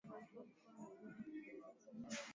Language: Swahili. aa tunaita ubisho kujinasb ni nini